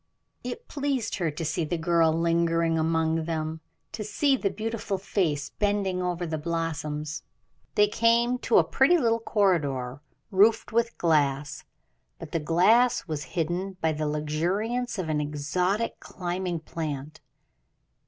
It pleased her to see the girl lingering among them to see the beautiful face bending over the blossoms. They came to a pretty little corridor, roofed with glass; but the glass was hidden by the luxuriance of an exotic climbing plant.